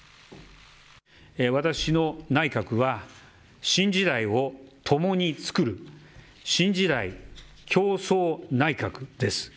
私の内閣は、新時代を共に創る、新時代共創内閣です。